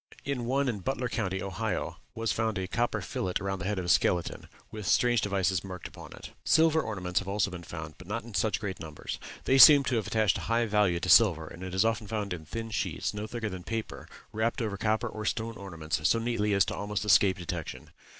In one in Butler County, Ohio, was found a copper fillet around the head of a skeleton, with strange devices marked upon it. Silver ornaments have also been found, but not in such great numbers. They seem to have attached a high value to silver, and it is often found in thin sheets, no thicker than paper, wrapped over copper or stone ornaments so neatly as almost to escape detection.